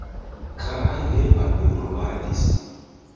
Kaj ne palpebrumadis.